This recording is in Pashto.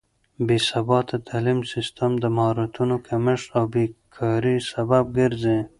بې ثباته تعليم سيستم د مهارتونو کمښت او بې کارۍ سبب ګرځي.